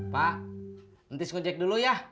pak nanti saya ngejek dulu ya